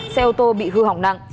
xe ô tô bị hư hỏng nặng